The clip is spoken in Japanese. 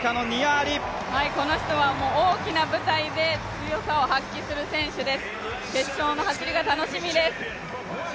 この人は大きな舞台で強さを発揮する選手です、決勝の走りが楽しみです。